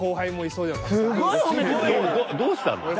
どうしたの？